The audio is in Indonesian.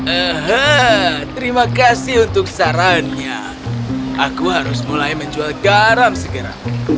ehhe terima kasih untuk sarannya aku harus mulai menjual garam segera